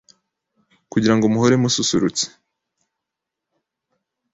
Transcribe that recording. kugira ngo muhore mususurutse.